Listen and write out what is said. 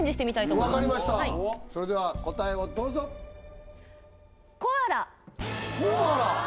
分かりましたそれでは答えをどうぞコアラコアラ？